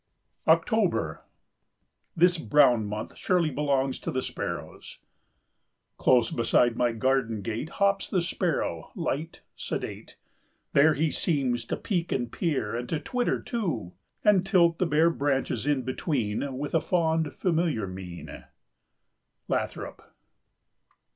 October. This brown month surely belongs to the sparrows. "Close beside my garden gate Hops the sparrow, light, sedate." "There he seems to peek and peer, And to twitter, too, and tilt The bare branches in between With a fond, familiar mien." —Lathrop.